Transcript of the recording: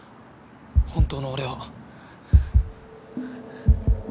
本当の俺を。